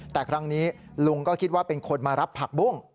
แต่ครั้งนี้ลุงก็คิดว่าเป็นคนมารับผักบุ้ง